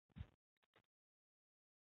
日溪乡的主要人口为汉族和畲族。